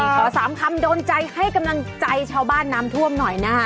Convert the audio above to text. ขอสามคำโดนใจให้กำลังใจชาวบ้านน้ำท่วมหน่อยนะคะ